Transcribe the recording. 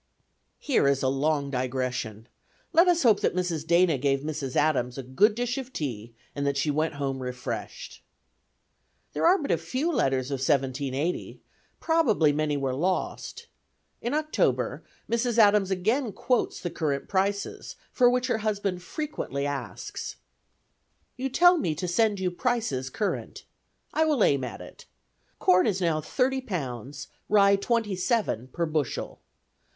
Here is a long digression; let us hope that Mrs. Dana gave Mrs. Adams a good dish of tea and that she went home refreshed. There are but few letters of 1780: probably many were lost. In October Mrs. Adams again quotes the current prices, for which her husband frequently asks. "You tell me to send you prices current. I will aim at it. Corn is now thirty pounds, rye twenty seven, per bushel.